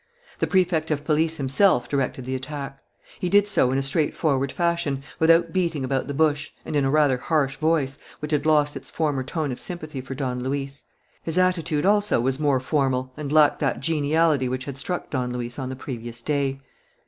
The Prefect of Police himself directed the attack. He did so in a straightforward fashion, without beating about the bush, and in a rather harsh voice, which had lost its former tone of sympathy for Don Luis. His attitude also was more formal and lacked that geniality which had struck Don Luis on the previous day.